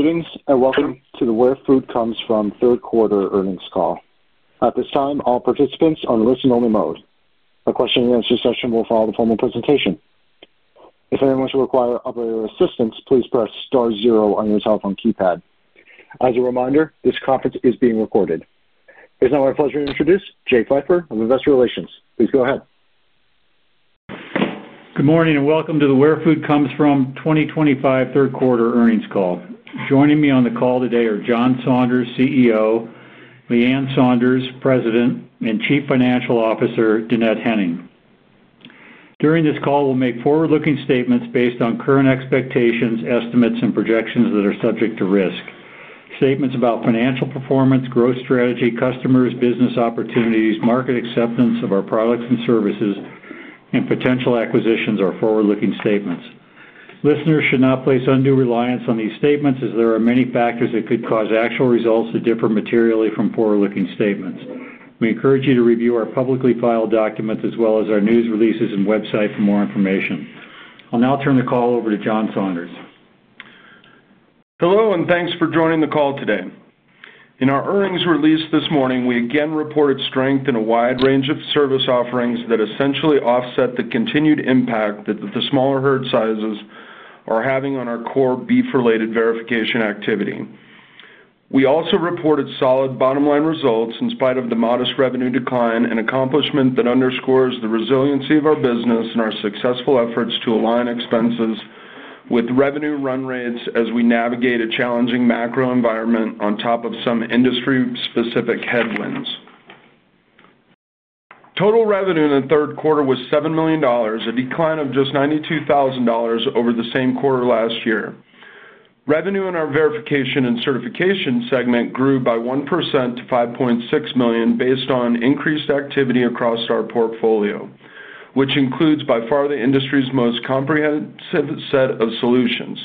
Greetings and welcome to the Where Food Comes From third quarter earnings call. At this time, all participants are in listen-only mode. The question-and-answer session will follow the formal presentation. If anyone should require operator assistance, please press star zero on your telephone keypad. As a reminder, this conference is being recorded. It's now my pleasure to introduce Jay Pfeiffer of Investor Relations. Please go ahead. Good morning and welcome to the Where Food Comes From 2025 third quarter earnings call. Joining me on the call today are John Saunders, CEO, Leann Saunders, President, and Chief Financial Officer, Dannette Henning. During this call, we'll make forward-looking statements based on current expectations, estimates, and projections that are subject to risk. Statements about financial performance, growth strategy, customers, business opportunities, market acceptance of our products and services, and potential acquisitions are forward-looking statements. Listeners should not place undue reliance on these statements as there are many factors that could cause actual results to differ materially from forward-looking statements. We encourage you to review our publicly filed documents as well as our news releases and website for more information. I'll now turn the call over to John Saunders. Hello and thanks for joining the call today. In our earnings release this morning, we again reported strength in a wide range of service offerings that essentially offset the continued impact that the smaller herd sizes are having on our core beef-related verification activity. We also reported solid bottom-line results in spite of the modest revenue decline and accomplishment that underscores the resiliency of our business and our successful efforts to align expenses with revenue run rates as we navigate a challenging macro environment on top of some industry-specific headwinds. Total revenue in the third quarter was $7 million, a decline of just $92,000 over the same quarter last year. Revenue in our verification and certification segment grew by 1% to $5.6 million based on increased activity across our portfolio, which includes by far the industry's most comprehensive set of solutions.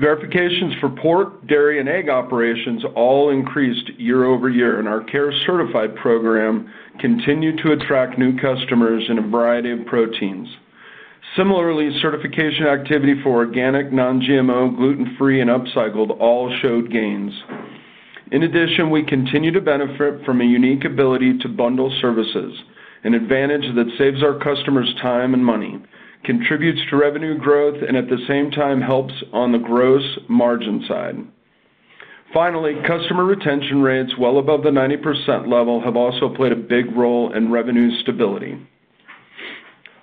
Verifications for pork, dairy, and egg operations all increased year over year, and our Care Certified program continued to attract new customers in a variety of proteins. Similarly, certification activity for organic, non-GMO, gluten-free, and upcycled all showed gains. In addition, we continue to benefit from a unique ability to bundle services, an advantage that saves our customers time and money, contributes to revenue growth, and at the same time helps on the gross margin side. Finally, customer retention rates well above the 90% level have also played a big role in revenue stability.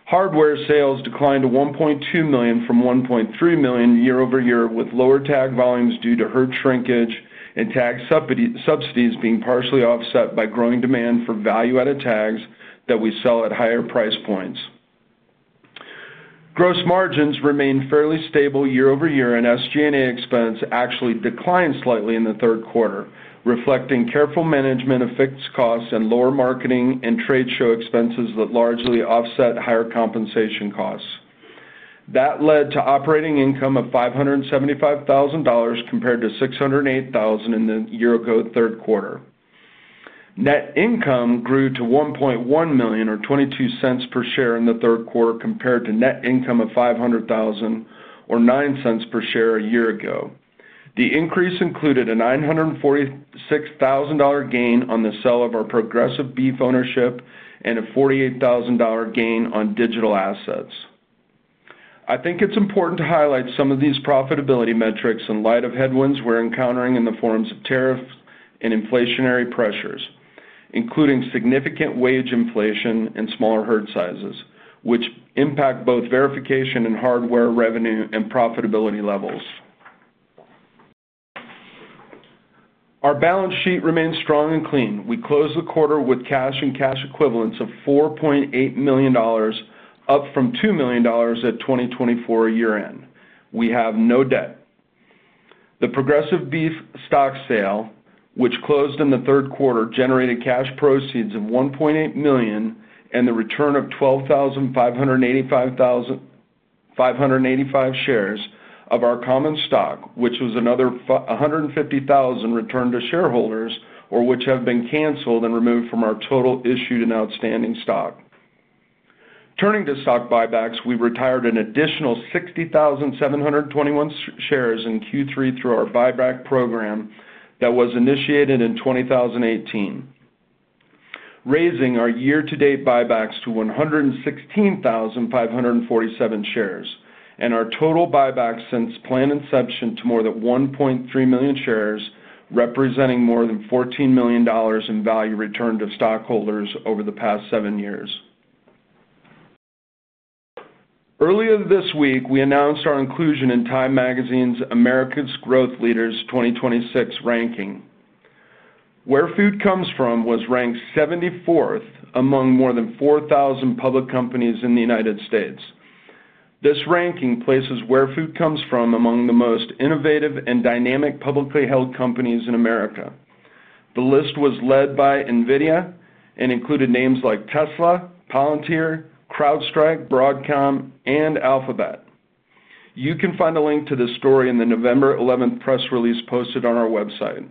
Hardware sales declined to $1.2 million from $1.3 million year over year with lower tag volumes due to herd shrinkage and tag subsidies being partially offset by growing demand for Value-Added Tags that we sell at higher price points. Gross margins remain fairly stable year over year, and SG&A expense actually declined slightly in the third quarter, reflecting careful management of fixed costs and lower marketing and trade show expenses that largely offset higher compensation costs. That led to operating income of $575,000 compared to $608,000 in the year-ago third quarter. Net income grew to $1.1 million or $0.22 per share in the third quarter compared to net income of $500,000 or $0.09 per share a year ago. The increase included a $946,000 gain on the sale of our Progressive Beef ownership and a $48,000 gain on digital assets. I think it's important to highlight some of these profitability metrics in light of headwinds we're encountering in the forms of tariffs and inflationary pressures, including significant wage inflation and smaller herd sizes, which impact both verification and hardware revenue and profitability levels. Our balance sheet remains strong and clean. We closed the quarter with cash and cash equivalents of $4.8 million, up from $2 million at 2024 year-end. We have no debt. The Progressive Beef stock sale, which closed in the third quarter, generated cash proceeds of $1.8 million and the return of 12,585 shares of our common stock, which was another $150,000 returned to shareholders or which have been canceled and removed from our total issued and outstanding stock. Turning to stock buybacks, we retired an additional 60,721 shares in Q3 through our buyback program that was initiated in 2018, raising our year-to-date buybacks to 116,547 shares and our total buybacks since planned inception to more than 1.3 million shares, representing more than $14 million in value returned to stockholders over the past seven years. Earlier this week, we announced our inclusion in Time Magazine's America's Growth Leaders 2026 ranking. Where Food Comes From was ranked 74th among more than 4,000 public companies in the United States. This ranking places Where Food Comes From among the most innovative and dynamic publicly held companies in America. The list was led by NVIDIA and included names like Tesla, Palantir, CrowdStrike, Broadcom, and Alphabet. You can find a link to this story in the November 11th press release posted on our website.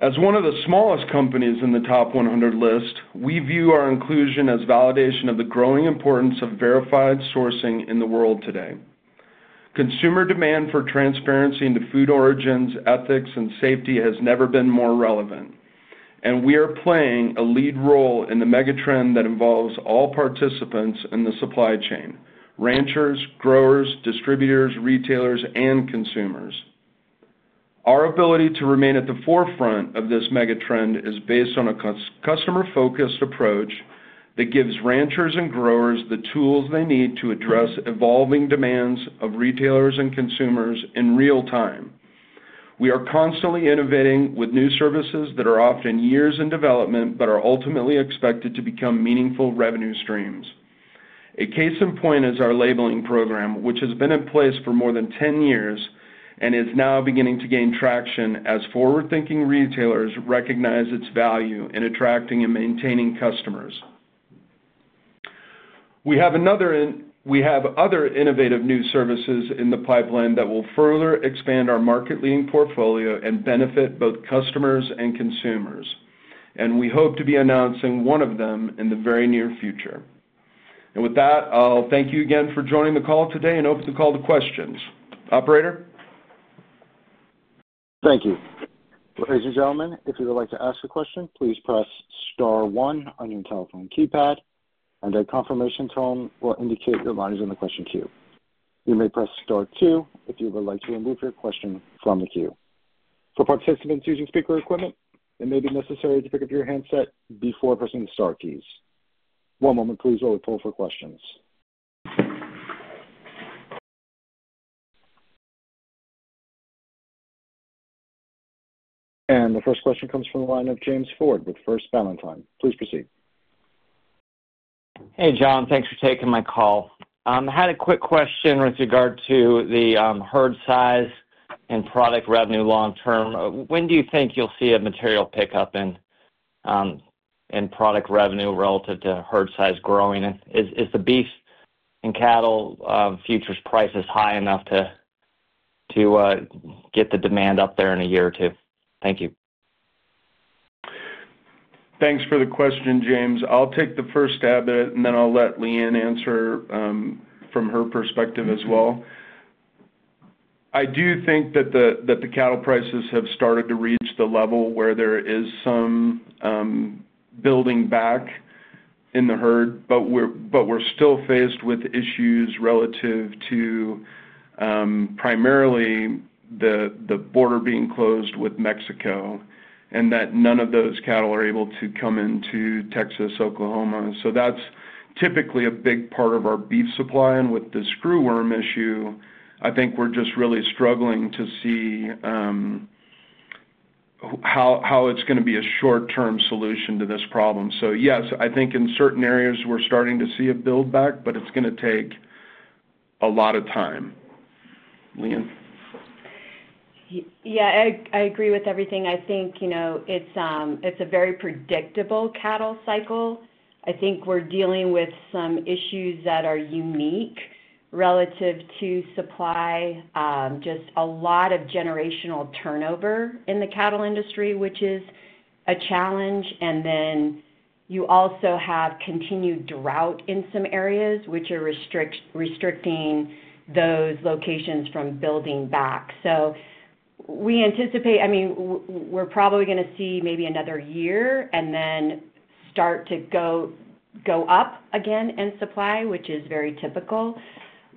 As one of the smallest companies in the top 100 list, we view our inclusion as validation of the growing importance of verified sourcing in the world today. Consumer demand for transparency into food origins, ethics, and safety has never been more relevant, and we are playing a lead role in the megatrend that involves all participants in the supply chain: ranchers, growers, distributors, retailers, and consumers. Our ability to remain at the forefront of this megatrend is based on a customer-focused approach that gives ranchers and growers the tools they need to address evolving demands of retailers and consumers in real time. We are constantly innovating with new services that are often years in development but are ultimately expected to become meaningful revenue streams. A case in point is our labeling program, which has been in place for more than 10 years and is now beginning to gain traction as forward-thinking retailers recognize its value in attracting and maintaining customers. We have other innovative new services in the pipeline that will further expand our market-leading portfolio and benefit both customers and consumers, and we hope to be announcing one of them in the very near future. And with that, I'll thank you again for joining the call today and open the call to questions. Operator? Thank you. Ladies and gentlemen, if you would like to ask a question, please press star one on your telephone keypad, and a confirmation tone will indicate your line is on the question queue. You may press star two if you would like to remove your question from the queue. For participants using speaker equipment, it may be necessary to pick up your handset before pressing the star keys. One moment, please, while we pull for questions. And the first question comes from the line of James Ford with First Ballantine. Please proceed. Hey, John. Thanks for taking my call. I had a quick question with regard to the herd size and product revenue long term. When do you think you'll see a material pickup in product revenue relative to herd size growing? Is the beef and cattle futures price as high enough to get the demand up there in a year or two? Thank you. Thanks for the question, James. I'll take the first stab at it, and then I'll let Leann answer from her perspective as well. I do think that the cattle prices have started to reach the level where there is some building back in the herd, but we're still faced with issues relative to primarily the border being closed with Mexico and that none of those cattle are able to come into Texas, Oklahoma. So that's typically a big part of our beef supply. And with the screw worm issue, I think we're just really struggling to see how it's going to be a short-term solution to this problem. So yes, I think in certain areas we're starting to see a build back, but it's going to take a lot of time. Leann? Yeah, I agree with everything. I think it's a very predictable cattle cycle. I think we're dealing with some issues that are unique relative to supply, just a lot of generational turnover in the cattle industry, which is a challenge. And then you also have continued drought in some areas, which are restricting those locations from building back. So we anticipate, I mean, we're probably going to see maybe another year and then start to go up again in supply, which is very typical.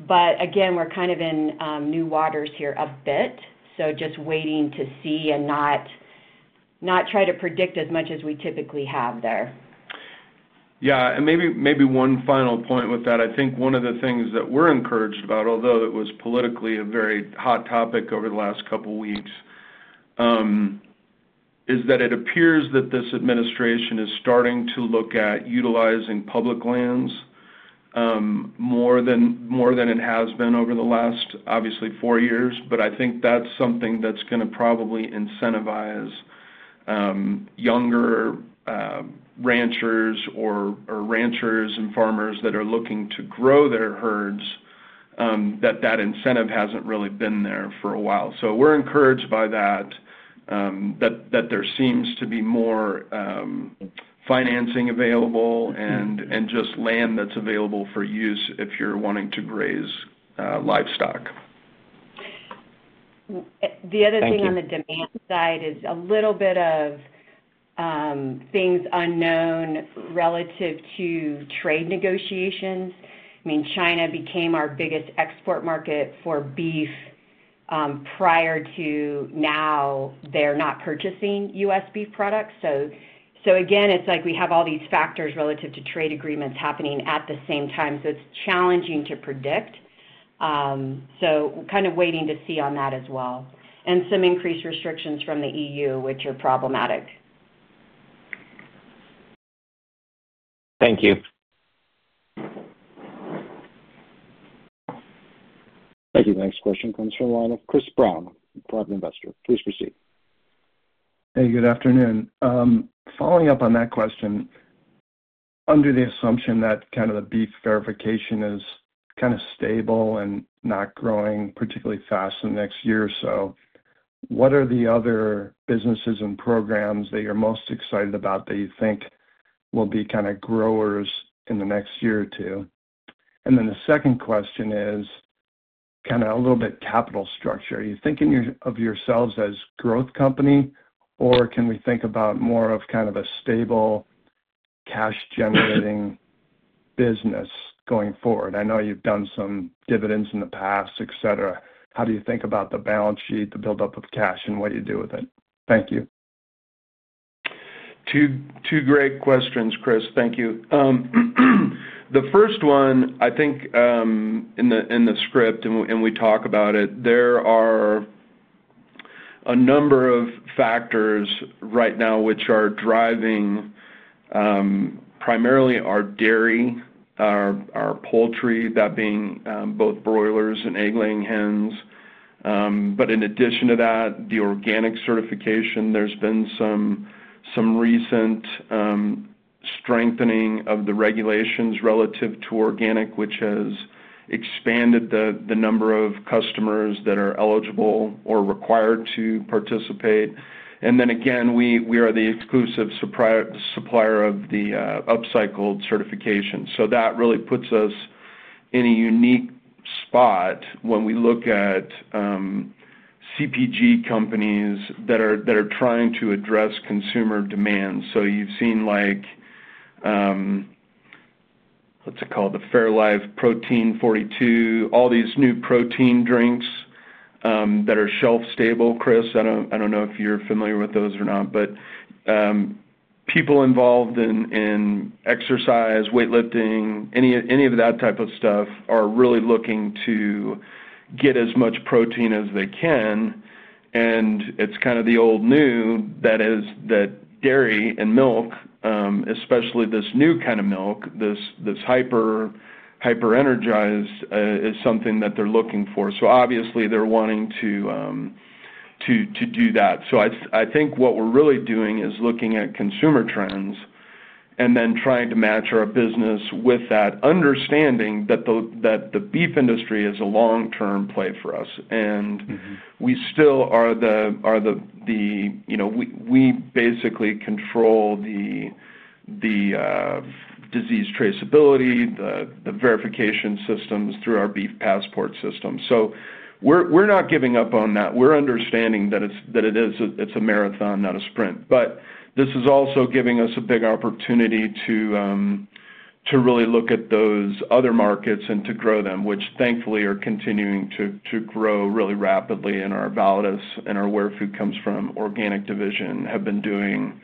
But again, we're kind of in new waters here a bit, so just waiting to see and not try to predict as much as we typically have there. Yeah. And maybe one final point with that. I think one of the things that we're encouraged about, although it was politically a very hot topic over the last couple of weeks, is that it appears that this administration is starting to look at utilizing public lands more than it has been over the last, obviously, four years. But I think that's something that's going to probably incentivize younger ranchers or ranchers and farmers that are looking to grow their herds that that incentive hasn't really been there for a while. So we're encouraged by that, that there seems to be more financing available and just land that's available for use if you're wanting to graze livestock. The other thing on the demand side is a little bit of things unknown relative to trade negotiations. I mean, China became our biggest export market for beef prior to now. They're not purchasing U.S. beef products. So again, it's like we have all these factors relative to trade agreements happening at the same time. So it's challenging to predict. So kind of waiting to see on that as well. And some increased restrictions from the EU, which are problematic. Thank you. Thank you. Next question comes from the line of Chris Brown, private investor. Please proceed. Hey, good afternoon. Following up on that question, under the assumption that kind of the beef verification is kind of stable and not growing particularly fast in the next year or so, what are the other businesses and programs that you're most excited about that you think will be kind of growers in the next year or two? And then the second question is kind of a little bit capital structure. Are you thinking of yourselves as a growth company, or can we think about more of kind of a stable cash-generating business going forward? I know you've done some dividends in the past, etc. How do you think about the balance sheet, the build-up of cash, and what you do with it? Thank you. Two great questions, Chris. Thank you. The first one, I think in the script, and we talk about it, there are a number of factors right now which are driving primarily our dairy, our poultry, that being both broilers and egg-laying hens. But in addition to that, the organic certification, there's been some recent strengthening of the regulations relative to organic, which has expanded the number of customers that are eligible or required to participate. And then again, we are the exclusive supplier of the upcycled certification. So that really puts us in a unique spot when we look at CPG companies that are trying to address consumer demand. So you've seen, what's it called, the Fairlife Protein 42, all these new protein drinks that are shelf-stable. Chris, I don't know if you're familiar with those or not, but people involved in exercise, weightlifting, any of that type of stuff are really looking to get as much protein as they can. And it's kind of the old new that is that dairy and milk, especially this new kind of milk, this hyper-energized, is something that they're looking for. So obviously, they're wanting to do that. So I think what we're really doing is looking at consumer trends and then trying to match our business with that understanding that the beef industry is a long-term play for us. And we still are the we basically control the disease traceability, the verification systems through our beef passport system. So we're not giving up on that. We're understanding that it's a marathon, not a sprint. But this is also giving us a big opportunity to really look at those other markets and to grow them, which thankfully are continuing to grow really rapidly in our Validus and our Where Food Comes From organic division have been doing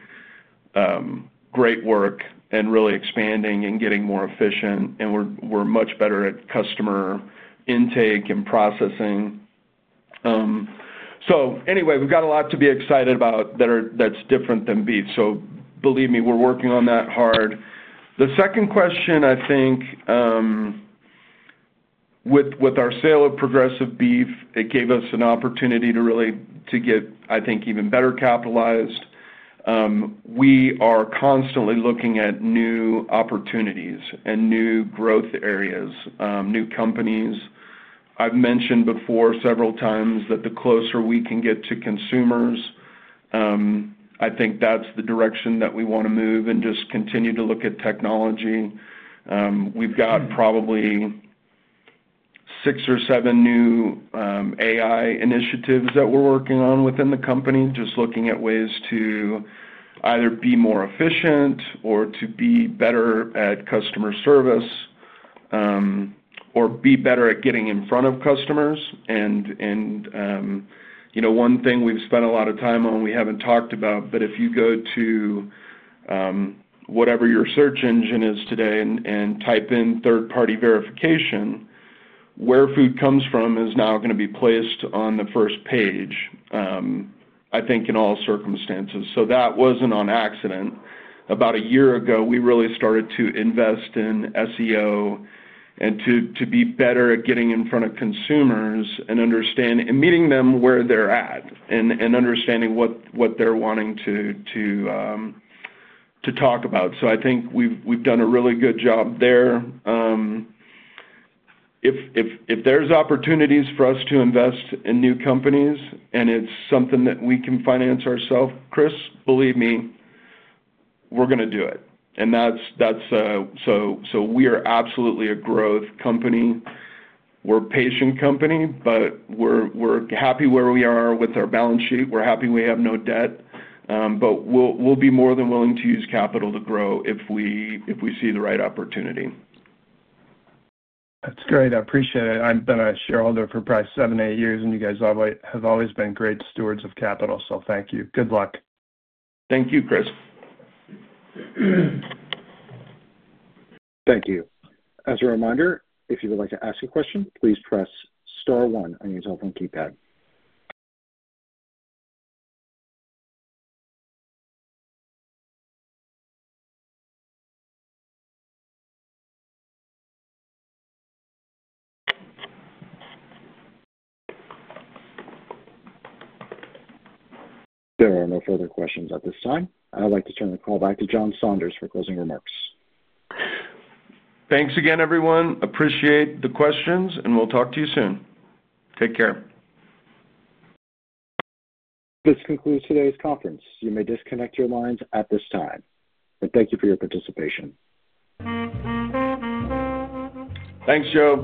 great work and really expanding and getting more efficient. And we're much better at customer intake and processing. So anyway, we've got a lot to be excited about that's different than beef. So believe me, we're working on that hard. The second question, I think, with our sale of Progressive Beef, it gave us an opportunity to really get, I think, even better capitalized. We are constantly looking at new opportunities and new growth areas, new companies. I've mentioned before several times that the closer we can get to consumers, I think that's the direction that we want to move and just continue to look at technology. We've got probably six or seven new AI initiatives that we're working on within the company, just looking at ways to either be more efficient or to be better at customer service or be better at getting in front of customers. And one thing we've spent a lot of time on we haven't talked about, but if you go to whatever your search engine is today and type in third-party verification, Where Food Comes From is now going to be placed on the first page, I think, in all circumstances. So that wasn't on accident. About a year ago, we really started to invest in SEO and to be better at getting in front of consumers and meeting them where they're at and understanding what they're wanting to talk about. So I think we've done a really good job there. If there's opportunities for us to invest in new companies and it's something that we can finance ourselves, Chris, believe me, we're going to do it. And so we are absolutely a growth company. We're a patient company, but we're happy where we are with our balance sheet. We're happy we have no debt. But we'll be more than willing to use capital to grow if we see the right opportunity. That's great. I appreciate it. I've been a shareholder for probably seven, eight years, and you guys have always been great stewards of capital. So thank you. Good luck. Thank you, Chris. Thank you. As a reminder, if you would like to ask a question, please press star one on your telephone keypad. There are no further questions at this time. I'd like to turn the call back to John Saunders for closing remarks. Thanks again, everyone. Appreciate the questions, and we'll talk to you soon. Take care. This concludes today's conference. You may disconnect your lines at this time. And thank you for your participation. Thanks, Joe.